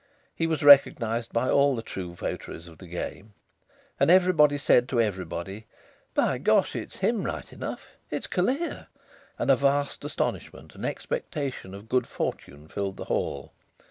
He was recognised by all the true votaries of the game. And everybody said to everybody: "By Gosh! It's him, right enough. It's Callear!" And a vast astonishment and expectation of good fortune filled the hall.